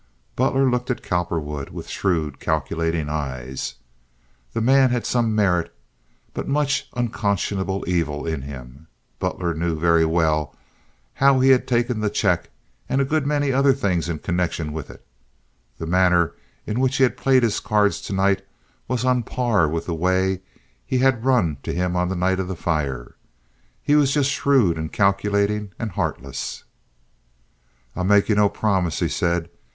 Butler looked at Cowperwood with shrewd, calculating eyes. The man had some merit, but much unconscionable evil in him. Butler knew very well how he had taken the check, and a good many other things in connection with it. The manner in which he had played his cards to night was on a par with the way he had run to him on the night of the fire. He was just shrewd and calculating and heartless. "I'll make ye no promise," he said.